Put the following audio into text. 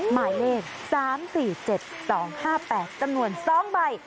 หมายเลข๓๔๗๒๕๘จำนวน๒ใบ